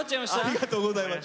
ありがとうございます。